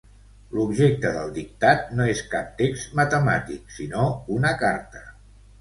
L'objecte del dictat no és cap text matemàtic, sinó una carta.